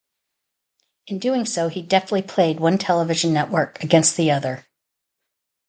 In doing so he deftly played one television network against the other.